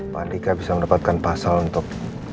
pak andika bisa mendapatkan pasal untuk